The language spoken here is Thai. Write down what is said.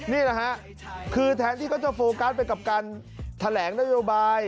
นี่แหละฮะคือแทนที่เขาจะโฟกัสไปกับการแถลงนโยบาย